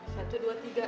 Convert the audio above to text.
satu dua tiga